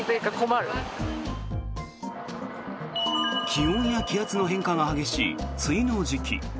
気温や気圧の変化が激しい梅雨の時期。